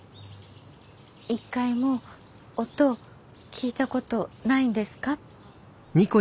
一回も音聞いたことないんですか？